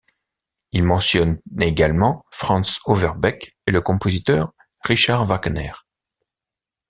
Il mentionne également Franz Overbeck, et le compositeur Richard Wagner.